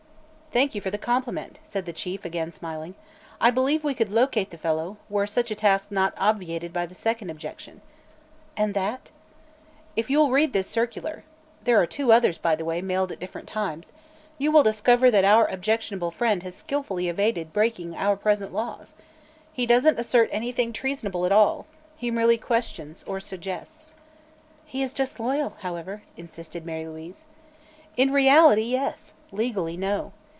"Thank you for the compliment," said the Chief, again smiling. "I believe we could locate the fellow, were such a task not obviated by the second objection." "And that?" "If you'll read this circular there are two others, by the way, mailed at different times you will discover that our objectionable friend has skillfully evaded breaking our present laws. He doesn't assert anything treasonable at all; he merely questions, or suggests." "He is disloyal, however," insisted Mary Louise. "In reality, yes; legally, no.